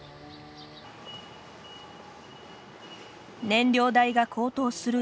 燃料代が高騰する